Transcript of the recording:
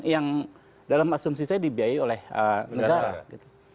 yang dalam asumsi saya dibiayai oleh negara gitu